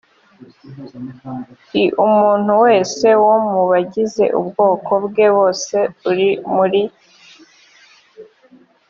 i umuntu wese wo mu bagize ubwoko bwe bose uri muri